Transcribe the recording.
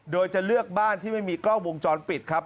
โดยจะเลือกบ้านที่ไม่มีกล้องวงจรปิดครับ